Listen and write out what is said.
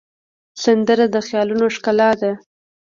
سندره د خیالونو ښکلا ده